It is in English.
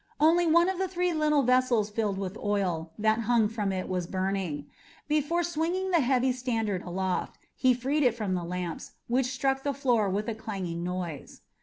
Only one of the three little vessels filled with oil that hung from it was burning. Before swinging the heavy standard aloft, he freed it from the lamps, which struck the floor with a clanging noise.